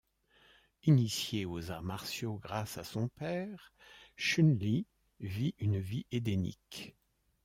Initiée aux arts martiaux grâce à son père, Chun-Li vit une vie édénique.